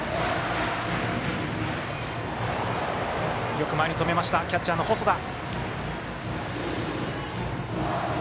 よく前に止めましたキャッチャーの細田。